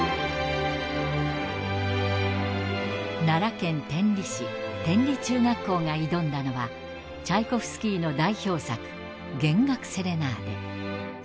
奈良県天理市天理中学校が挑んだのはチャイコフスキーの代表作「弦楽セレナーデ」